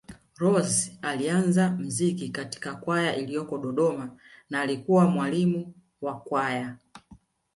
Rose alianza mziki katika kwaya iliyoko Dodoma na alikuwa mwalimu wa Kwaya